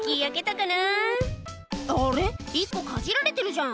１個かじられてるじゃん」